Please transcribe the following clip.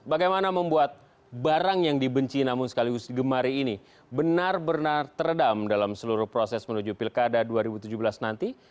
bagaimana membuat barang yang dibenci namun sekaligus digemari ini benar benar teredam dalam seluruh proses menuju pilkada dua ribu tujuh belas nanti